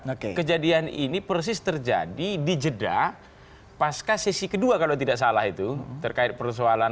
oke kejadian ini persis terjadi di jeddah pasca sesi kedua kalau tidak salah itu terkait persoalan